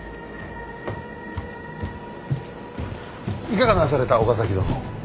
いかがなされた岡崎殿。